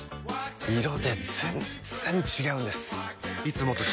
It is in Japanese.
色で全然違うんです！